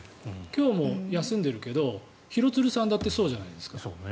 今日も休んでるけど廣津留さんだってそうじゃないですか。